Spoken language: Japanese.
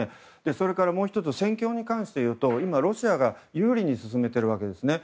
それからもう１つ戦況に関していうと今、ロシアが有利に進めているんですね。